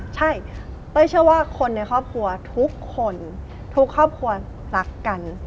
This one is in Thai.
ใช่เต้ยเชื่อว่าคนในครอบครัวทุกคนทุกครอบครัวรักกัน